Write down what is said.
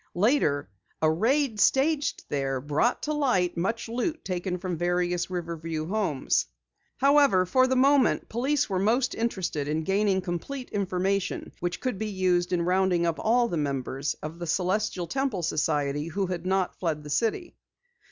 Later, a raid staged there brought to light much loot taken from various Riverview homes. However, for the moment, police were most interested in gaining complete information which could be used in rounding up all members of the Celestial Temple Society who had not fled the city.